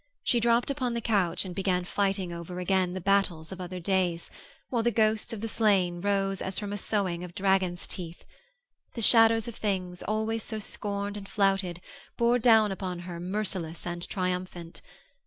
She dropped upon the couch and began fighting over again the battles of other days, while the ghosts of the slain rose as from a sowing of dragon's teeth, The shadows of things, always so scorned and flouted, bore down upon her merciless and triumphant.